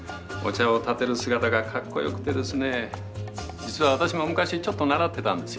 実は私も昔ちょっと習ってたんですよ。